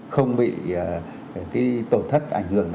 không bị cái tổ thất ảnh hưởng